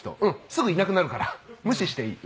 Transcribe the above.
すぐいなくなるから無視していい。